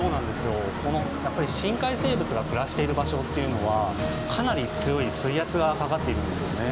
やっぱり深海生物が暮らしている場所っていうのはかなり強い水圧がかかっているんですよね。